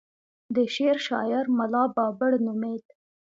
د شعر شاعر ملا بابړ نومېد.